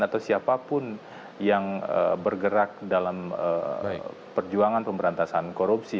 atau siapapun yang bergerak dalam perjuangan pemberantasan korupsi